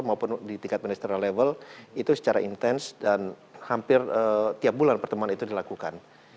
maupun di tingkat ministeri level itu secara intens dan hampir tiap bulan pertemuan itu dilakukan